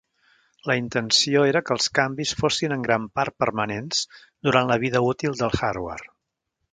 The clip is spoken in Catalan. La intenció era que els canvis fossin en gran part permanents durant la vida útil del hardware.